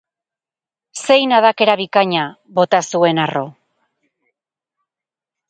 Zein adakera bikaina!, bota zuen harro.